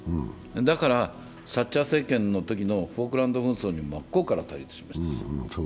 だからサッチャー政権のときのフォークランド紛争に真っ向から対立しました。